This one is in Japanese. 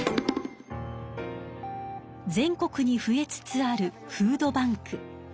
全国に増えつつあるフードバンク。